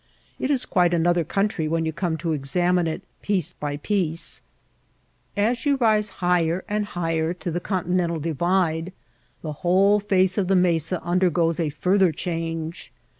It is quite an other country when you come to examine it piece by piece. As you rise higher and higher to the Conti nental Divide the whole face of the mesa under MESAS AND FOOT HILLS 197 goes a further change.